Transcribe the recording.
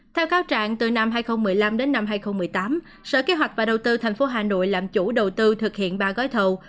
theo cáo trạng từ năm hai nghìn một mươi năm đến năm hai nghìn một mươi tám sở kế hoạch và đầu tư tp hà nội làm chủ đầu tư thực hiện ba gói thầu